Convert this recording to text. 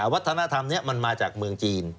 วัฒนธรรมนี้มันมาจากเมืองจีน